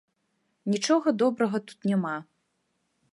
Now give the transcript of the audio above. Нічога добрага тут няма.